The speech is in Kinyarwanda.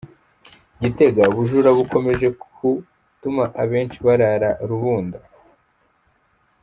Gitega:Ubujura bukomeje gutuma abenshi barara rubunda